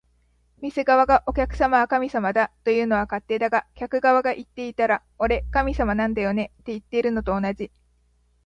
店側が「お客様は神様だ」というのは勝手だが、客側が言っていたら「俺、神様なんだよね」っていってるのと同じ